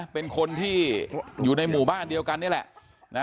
เป็นคนที่อยู่ในหมู่บ้านเดียวกันนี่แหละ